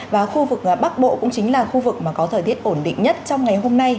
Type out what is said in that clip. và khu vực bắc bộ cũng chính là khu vực mà có thời tiết ổn định nhất trong ngày hôm nay